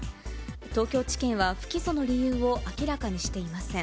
東京地検は不起訴の理由を明らかにしていません。